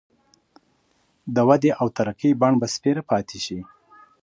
د ودې او ترقۍ بڼ به سپېره پاتي شي.